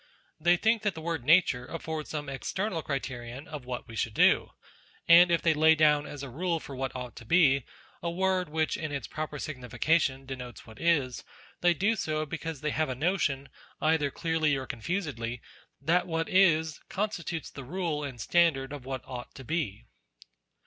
They think that the word Nature affords some external criterion of what we should do ; and if they lay down as a rule for what ought to be, a w r ord which in its proper signification denotes what is, they do so because they have a notion, either clearly or confusedly, that what is, constitutes the rule and standard of what ought to be.